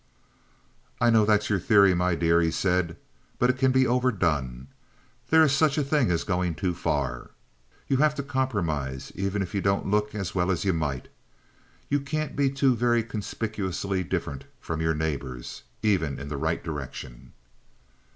"I know that's your theory, my dear," he said, "but it can be overdone. There is such a thing as going too far. You have to compromise even if you don't look as well as you might. You can't be too very conspicuously different from your neighbors, even in the right direction."